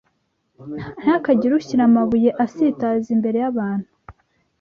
Ntihakagire ushyira amabuye asitaza imbere y’abantu